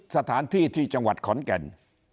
สถานที่ที่จังหวัดขอนแก่น